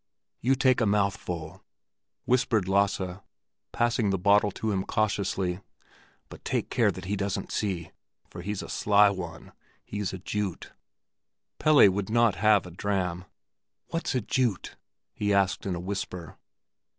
"You take a mouthful," whispered Lasse, passing the bottle to him cautiously. "But take care that he doesn't see, for he's a sly one. He's a Jute." Pelle would not have a dram. "What's a Jute?" he asked in a whisper.